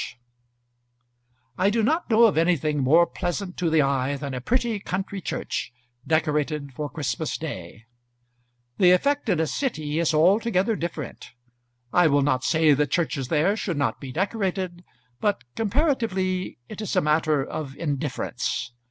[Illustration: Christmas at Noningsby Morning.] I do not know of anything more pleasant to the eye than a pretty country church, decorated for Christmas day. The effect in a city is altogether different. I will not say that churches there should not be decorated, but comparatively it is a matter of indifference.